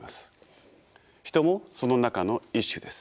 人もその中の１種です。